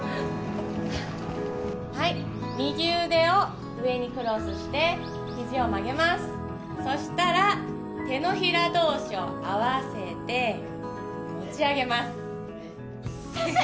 はい右腕を上にクロスして肘を曲げますそしたら手のひら同士を合わせて持ち上げます先生